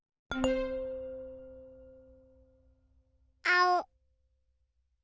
あお。